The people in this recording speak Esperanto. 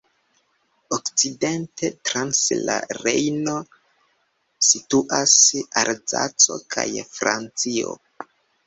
Okcidente, trans la Rejno, situas Alzaco kaj Francio.